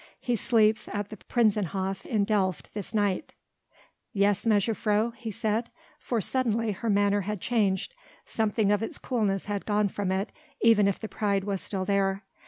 He sleeps at the Prinzenhof in Delft this night." "Yes, mejuffrouw?" he said, for suddenly her manner had changed; something of its coolness had gone from it, even if the pride was still there.